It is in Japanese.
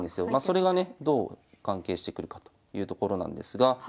それがねどう関係してくるかというところなんですが。